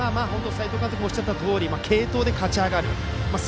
今回は斎藤監督もおっしゃったとおり継投で勝ち上がる。